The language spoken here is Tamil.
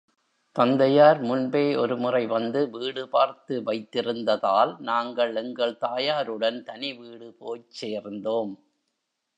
தந்தையார் முன்பே ஒரு முறை வந்து வீடு பார்த்து வைத்திருந்ததால் நாங்கள் எங்கள் தாயாருடன் தனிவீடு போய்ச் சேர்ந்தோம்.